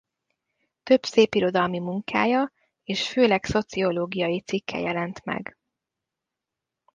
Több szépirodalmi munkája és főleg szociológiai cikke jelent meg.